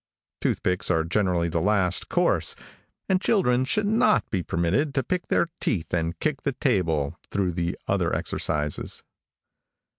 Toothpicks are generally the last course, and children should not be permitted to pick their teeth and kick the table through the other exercises.